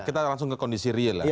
kita langsung ke kondisi real ya